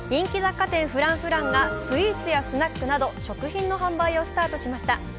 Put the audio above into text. Ｆｒａｎｃｆｒａｎｃがスイーツやスナックなど食品の販売をスタートしました。